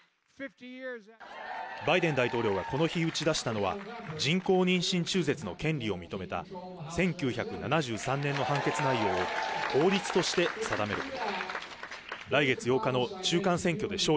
バイデン大統領がこの日打ち出したのは、人工妊娠中絶の権利を認めた１９７３年の判決内容を法律として定めること。